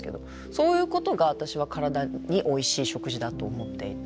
そういうことが私は体においしい食事だと思っていて。